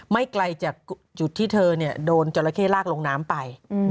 ไม่ไกลจากจุดที่เธอโดนจราเข้ลากลงน้ำไป